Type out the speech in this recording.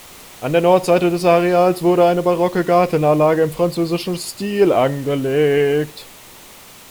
An der Nordseite des Areals wurde eine barocke Gartenanlage im französischen Stil angelegt.